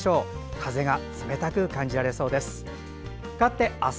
風が冷たく感じられそうです。